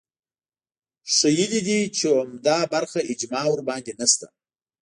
ښييلي دي چې عمده برخه اجماع ورباندې نشته